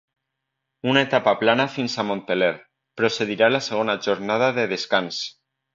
Una etapa plana fins a Montpeller, precedirà la segona jornada de descans.